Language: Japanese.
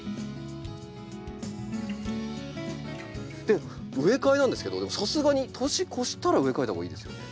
で植え替えなんですけどさすがに年越したら植え替えた方がいいですよね？